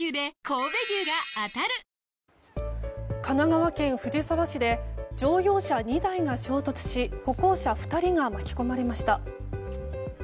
神奈川県藤沢市で乗用車２台が衝突し歩行者２人が巻き込まれました。